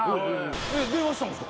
電話したんですか？